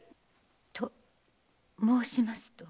と申しますと？